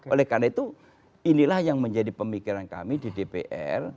oleh karena itu inilah yang menjadi pemikiran kami di dpr